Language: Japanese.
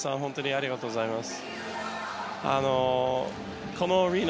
ありがとうございます。